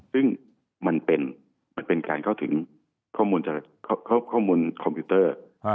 ซึ่งมันเป็นการเข้าถึงข้อมูลคอมพิวเตอร์